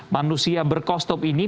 manusia berkostum ini